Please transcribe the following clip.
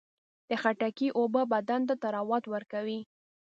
د خټکي اوبه بدن ته طراوت ورکوي.